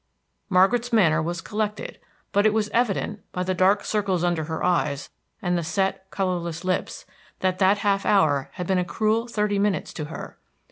Margaret's manner was collected, but it was evident, by the dark circles under her eyes, and the set, colorless lips, that that half hour had been a cruel thirty minutes to her.